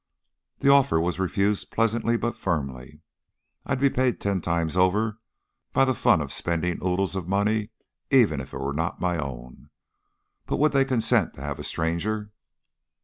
The offer was refused pleasantly, but firmly. "I'd be paid ten times over by the fun of spending oodles of money even if it were not my own. But would they consent to have a stranger